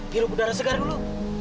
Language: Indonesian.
hilang udara segar dulu